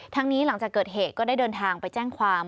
นี้หลังจากเกิดเหตุก็ได้เดินทางไปแจ้งความ